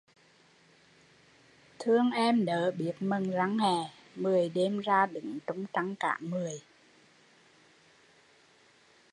Thương em nớ biết mần răng, mười đêm ra đứng trông trăng cả mười